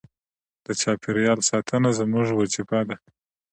د چاپیریال ساتنه زموږ وجیبه ده.